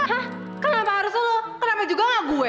hah kenapa harusnya lo kenapa juga gak gue